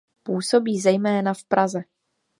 Působí zejména v Praze.